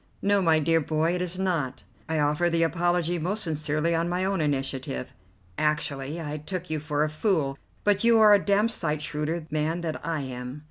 "No, my dear boy, it is not. I offer the apology most sincerely on my own initiative. Actually I took you for a fool, but you are a damned sight shrewder man than I am.